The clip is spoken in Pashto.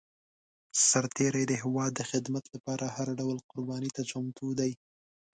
سرتېری د هېواد د خدمت لپاره هر ډول قرباني ته چمتو دی.